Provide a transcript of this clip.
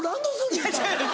いや違う。